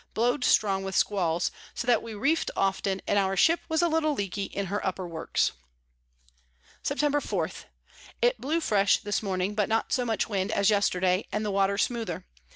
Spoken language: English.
blow'd strong with Squalls, so that we reef'd often, and our Ship was a little leaky in her upper Works. Septemb. 4. It blew fresh this Morning, but not so much Wind as Yesterday, and the Water smoother.